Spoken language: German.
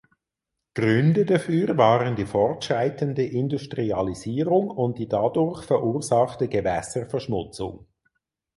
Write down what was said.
Gründe dafür waren die fortschreitende Industrialisierung und die dadurch verursachte Gewässerverschmutzung.